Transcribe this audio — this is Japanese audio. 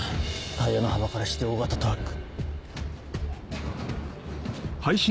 タイヤの幅からして大型トラック。